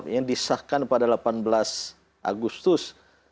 yang disahkan pada delapan belas agustus seribu sembilan ratus empat puluh lima